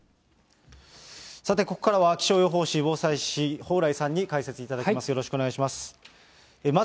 さてここからは、気象予報士、防災士、蓬莱さんに解説いただきます。